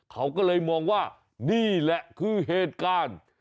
เขาก็เลยมองว่านี่แหละคือเหตุการณ์